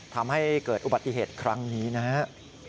ทำให้เกิดอุบัติเหตุครั้งนี้นะครับ